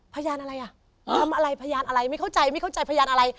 พยานอะไรอ่ะทำอะไรพยานอะไรไม่เข้าใจไม่เข้าใจพยานอะไร